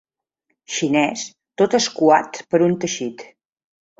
Xinès tot escuat per un teixit.